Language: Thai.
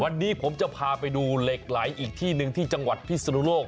วันนี้ผมจะพาไปดูเหล็กไหลอีกที่หนึ่งที่จังหวัดพิศนุโลก